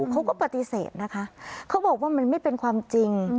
เขาก็ปฏิเสธนะคะเขาบอกว่ามันไม่เป็นความจริง